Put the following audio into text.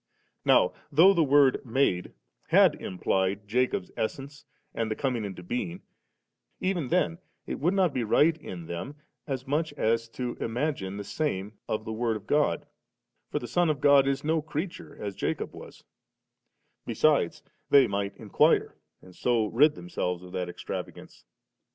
Now diough the word 'made' had implied Jacob's essence and the coming into being, even Aen it would not be right in them as much as to imagine the same of the Word of God, for the Son of God is no creature as Jacob was ; besides, they might inquire and so rid them sdves of that extravagance.